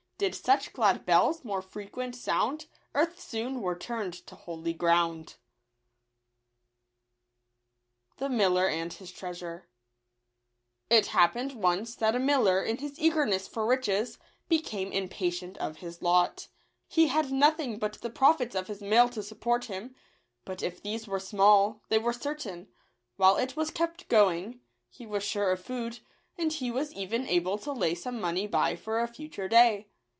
Did such glad bells more frequent sound, Earth soon were turn'd to holy ground. , Google anil f)i$ %xta$uxt< happened once that a miller, in his eagerness for riches, became im patient of his lot He K. profits of his mill to t support him ; but if ^ these were small, they were certain : while it was kept going, he was sure of food ; and he was even able to lay some money by for a future day.